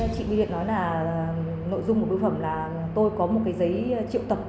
chị nguyệt nói là nội dung của bưu phẩm là tôi có một cái giấy triệu tập